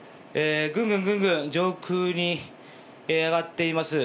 ぐんぐん上空に上がっています。